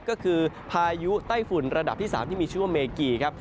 ก็คือพายุไต้ฝุ่นระดับที่๓ที่มีชื่อว่าเมกีครับ